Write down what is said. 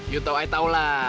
you tau i tau lah